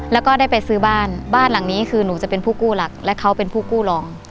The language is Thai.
แล้วก็ได้ไปซื้อบ้านบ้านหลังนี้คือหนูจะเป็นผู้กู้หลักและเขาเป็นผู้กู้รอง